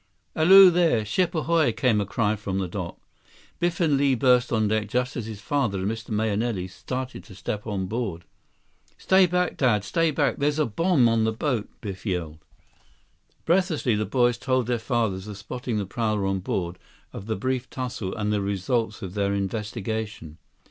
"Alloo there! Ship ahoy!" came a cry from the dock. Biff and Li burst on deck just as his father and Mr. Mahenili started to step aboard. "Stay back, Dad! Stay back! There's a bomb on the boat!" Biff yelled. Breathlessly, the boys told their fathers of spotting the prowler on board, of the brief tussle, and the results of their investigation.